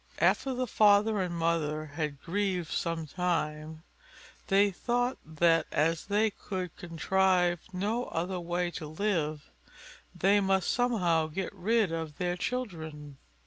After the father and mother had grieved some time, they thought that as they could contrive no other way to live, they must somehow get rid of their children.